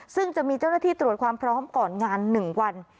ซึ่งจะมีเจ้าหน้าที่ตรวจความพร้อมก่อนงาน๑วัน